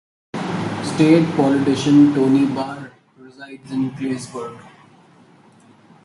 State politician Tony Barr resides in Claysburg.